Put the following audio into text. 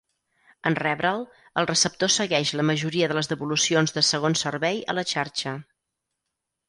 En rebre'l, el receptor segueix la majoria de les devolucions de segon servei a la xarxa.